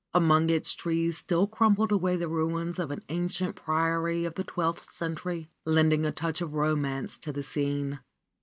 Among its trees still crumbled away the ruins of an ancient priory of the twelfth century, lending a touch of romance to the scene.